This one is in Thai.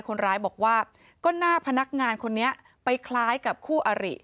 คนร้ายบอกว่าก็หน้าพนักงานคนนี้ไปคล้ายกับคู่อริ